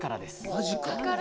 マジか。